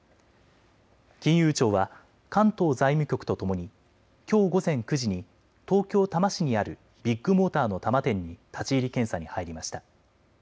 金融庁は関東財務局とともにきょう午前９時に東京多摩市にあるビッグモーターの多摩店に立ち入り検査に入りました。